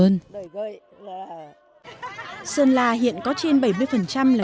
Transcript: sơn la hiện có trên bảy mươi là người dân tộc thái trong những năm qua được sự quan tâm của đảng